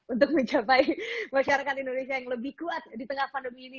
untuk mencapai masyarakat indonesia yang lebih kuat di tengah pandemi ini